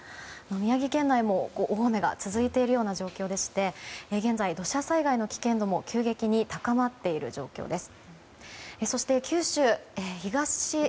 宮城県内も大雨が続いているような状況でして現在、土砂災害の危険度も急激に高まっている状況です。